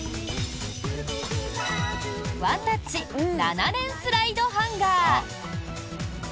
ワンタッチ７連スライドハンガー。